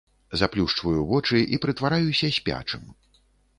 Заплюшчваю вочы і прытвараюся спячым.